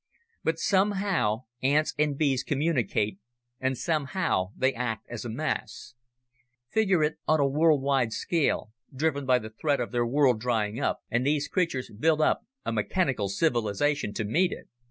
But somehow ants and bees communicate and somehow they act as a mass. Figure it on a world wide scale, driven by the threat of their world drying up, and these creatures built up a mechanical civilization to meet it.